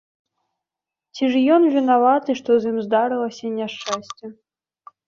Ці ж ён вінаваты, што з ім здарылася няшчасце?